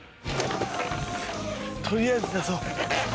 取りあえず出そう。